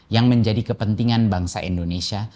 yang menjadi kepentingan bangsa indonesia